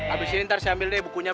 habis ini ntar saya ambil deh bukunya